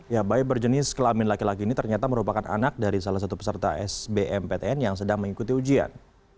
ya bayi berjenis kelamin laki laki ini ternyata merupakan anak dari salah satu peserta sbmptn yang sedang mengikuti ujian